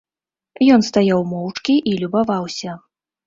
Ён стаяў моўчкі і любаваўся.